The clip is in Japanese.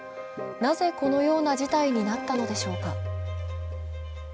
なぜこのような事態になったのでしょうか。